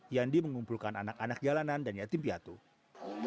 yandi mengumpulkan anak anak jalanan dan diantimpiatur